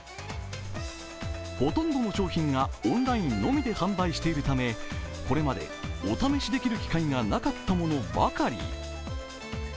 ほとんどの商品がオンラインのみで販売しているためこれまでお試しできる機会がなかったものばかり。